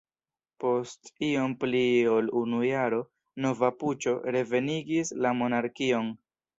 Post iom pli ol unu jaro nova puĉo revenigis la monarkion.